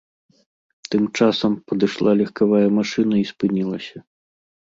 Тым часам падышла легкавая машына і спынілася.